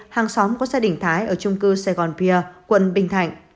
hàng xóm của gia đình thái ở trung cư saigon pier quận bình thạnh